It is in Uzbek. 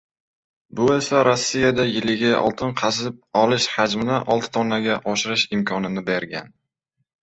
Bu esa Rossiyada yiliga oltin qazib olish hajmini olti tonnaga oshirish imkonini bergan.